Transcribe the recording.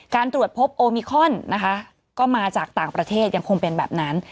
ตรวจพบโอมิคอนนะคะก็มาจากต่างประเทศยังคงเป็นแบบนั้น